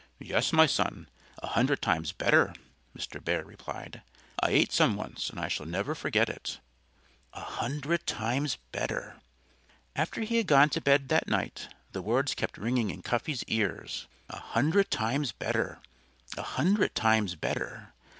"Yes, my son a hundred times better!" Mr. Bear replied. "I ate some once And I shall never forget it." A hundred times better! After he had gone to bed that night the words kept ringing in Cuffy's ears. _A hundred times better! A hundred times better!...